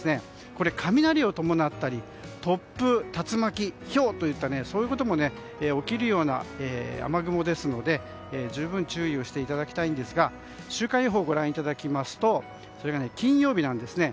これ、雷を伴ったり突風、竜巻ひょうといったそういったことも起きるような雨雲ですので十分注意していただきたいですが週間予報をご覧いただきますとそれが金曜日なんですね。